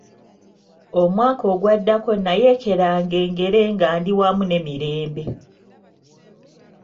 Omwaka ogwaddako nayeekeranga engere nga ndi wamu ne Mirembe.